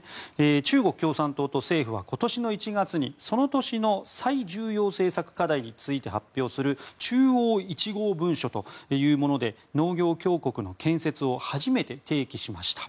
中国共産党と政府は今年の１月にその年の最重要政策課題について発表する中央１号文書というもので農業強国の建設を初めて提起しました。